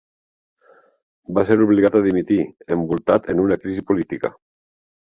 Va ser obligat a dimitir, envoltat en una crisi política.